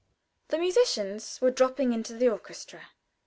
The musicians were dropping into the orchestra.